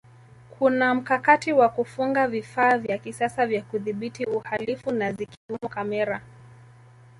kuna mkakati wa kufunga vifaa vya kisasa vya kudhibiti uhalifu na zikiwamo kamera